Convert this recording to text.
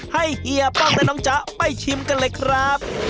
เฮียป้องและน้องจ๊ะไปชิมกันเลยครับ